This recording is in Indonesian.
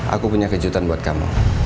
aku punya kejutan buat kamu